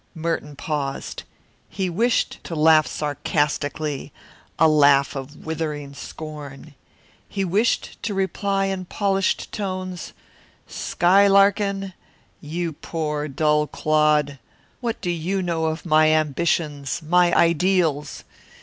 Merton paused. He wished to laugh sarcastically, a laugh of withering scorn. He wished to reply in polished tones, "Skylarkin'! You poor, dull clod, what do you know of my ambitions, my ideals?